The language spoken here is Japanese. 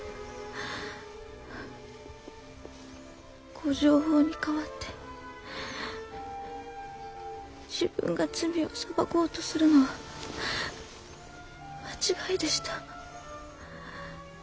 御定法に代わって自分が罪を裁こうとするのは間違いでした。